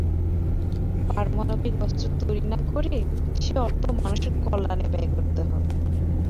পারমাণবিক অস্ত্র তৈরি না করে সেই অর্থ মানুষের কল্যাণে ব্যয় করতে হবে।